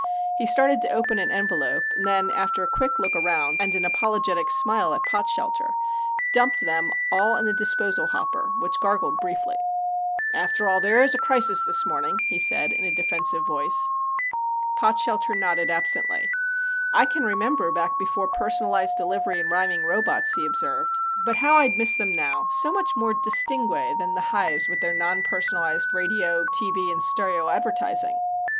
He started to open an envelope, then, after a quick look around and an apologetic smile at Potshelter, dumped them all on the disposal hopper, which gargled briefly. "After all, there is a crisis this morning," he said in a defensive voice. Potshelter nodded absently. "I can remember back before personalized delivery and rhyming robots," he observed. "But how I'd miss them now so much more distingué than the hives with their non personalized radio, TV and stereo advertising.